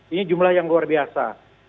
ini jumlah yang luar biasa